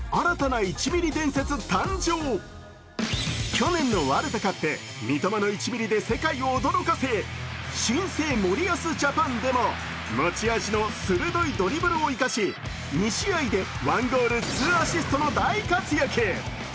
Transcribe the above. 去年のワールドカップ三笘の１ミリで世界を驚かせ新生森保ジャパンでも持ち味の鋭いドリブルを生かし２試合で１ゴール・２アシストの大活躍。